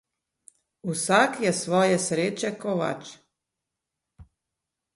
Vsak je svoje sreče kovač.